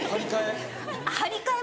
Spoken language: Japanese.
張り替え？